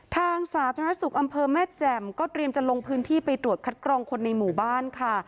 สาธารณสุขอำเภอแม่แจ่มก็เตรียมจะลงพื้นที่ไปตรวจคัดกรองคนในหมู่บ้านค่ะ